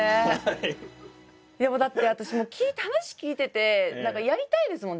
いやもうだって私話聞いてて何かやりたいですもん